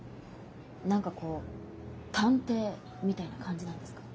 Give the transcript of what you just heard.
何かこう探偵みたいな感じなんですか？